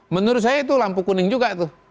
menurut saya itu lampu kuning juga tuh